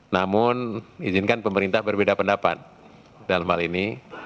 namun izinkan pemerintah berbeda pendapat dalam hal ini